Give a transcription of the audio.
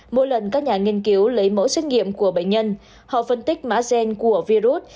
mỗi lần các nhà nghiên cứu lấy mẫu xét nghiệm của bệnh nhân họ phân tích mã gen của virus